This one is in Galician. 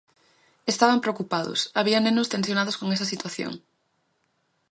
Estaban preocupados, había nenos tensionados con esa situación.